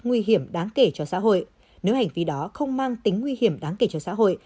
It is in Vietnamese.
nguy hiểm đáng kể cho xã hội nếu hành vi đó không mang tính nguy hiểm đáng kể cho xã hội